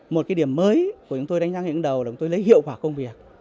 một cái điểm mới của chúng tôi đánh giá ngay lúc đầu là chúng tôi lấy hiệu quả công việc